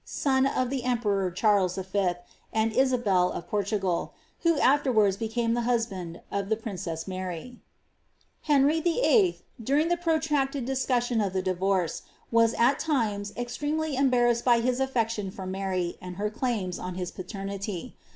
son of the emperor Charles V. and Isabel of Portugal, who afterwards became the husband of the princess Mary. Henry VI 11., during the protracted discussion of the divorce* was at times extremely embarrassed by his affection for Mary, and her claimi on his paternity.